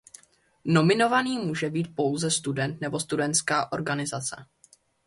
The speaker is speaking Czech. Nominovaný může být pouze student nebo studentská organizace.